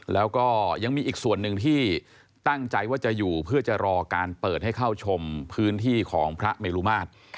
แล้วก็ยังมีอีกส่วนหนึ่งที่ตั้งใจว่าจะอยู่เพื่อจะรอการเปิดให้เข้าชมพื้นที่ของพระเมลุมาตร